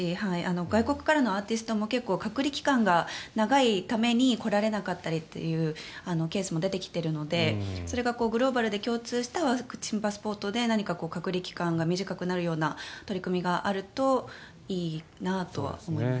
外国からのアーティストも結構隔離期間が長いために来られなかったりというケースも出てきてるのでそれがグローバルで共通したワクチンパスポートで何か隔離期間が短くなるような取り組みがあるといいなとは思います。